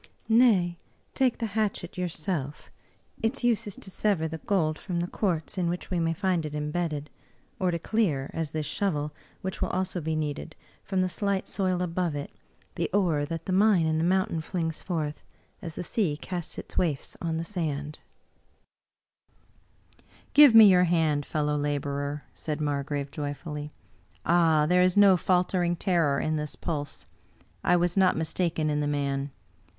" Nay, take the hatchet yourself ; its use is to sever the gold from the quartz in which we may find it imbedded, or to clear, as this shovel, which will also be needed, from the slight soil above it, the ore that the mine in the moim tain flings forth, as the sea casts its waifs on the sands." " Give me your hand, fellow laborer !" said Margrave, joyfully. " Ah, there is no faltering terror in this pulse ! I was not mistaken in the man.